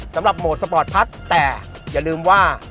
สำหรับโหมดสปอร์ตพัชน์แต่อย่าลืมว่า